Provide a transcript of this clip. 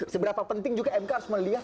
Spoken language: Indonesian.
seberapa penting juga mk harus melihat